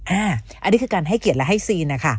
อันนี้คือการให้เกียรติและให้ซีนนะคะ